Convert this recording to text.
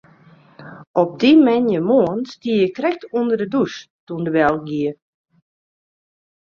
Op dy moandeitemoarn stie ik krekt ûnder de dûs doe't de bel gie.